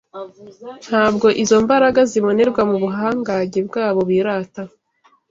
Ntabwo izo mbaraga zibonerwa mu buhangange bwabo birata